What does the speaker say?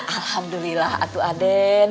alhamdulillah atuh ah den